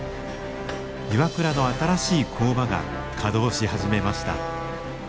ＩＷＡＫＵＲＡの新しい工場が稼働し始めました。